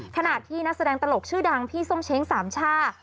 ขณะที่นักแสดงตลกชื่อดังพี่ส้มเช้งสามช่า